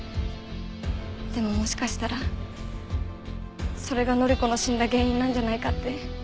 でももしかしたらそれが範子の死んだ原因なんじゃないかって。